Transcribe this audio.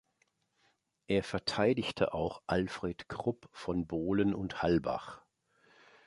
Er verteidigte auch Alfried Krupp von Bohlen und Halbach.